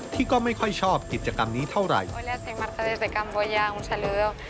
ที่ก็ไม่ค่อยชอบกิจกรรมนี้เท่าไหร่